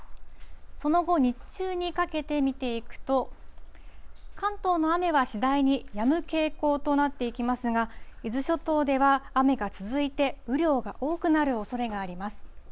その後、日中にかけて見ていくと、関東の雨は次第にやむ傾向となっていきますが、伊豆諸島では雨が続いて雨量が多くなるおそれがあります。